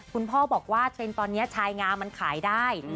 คุณพ่อบอกว่าเทรนด์ตอนนี้ชายงามันขายได้